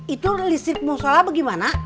itu listrik musola bagaimana